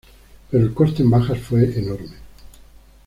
Pero el coste en bajas fue enorme.